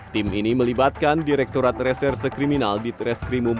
tim ini melibatkan direktorat reserse kriminal di treskrimumpung